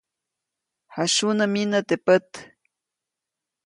Jasyunä myinä teʼ pät.